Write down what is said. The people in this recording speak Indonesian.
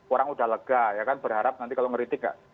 orang sudah lega ya kan berharap nanti kalau ngeritik